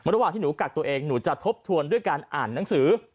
ระหว่างที่หนูกักตัวเองหนูจะทบทวนด้วยการอ่านหนังสือ